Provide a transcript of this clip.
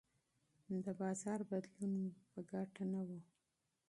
د بازار بدلون مې په ګټه نه و.